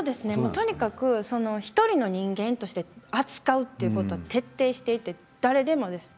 とにかく１人の人間として扱うということは徹底しています。